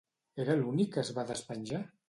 Era l'únic que es va despenjar?